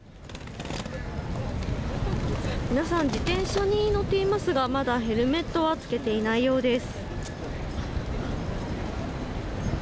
皆さん自転車に乗っていますがまだヘルメットは着けていないようです。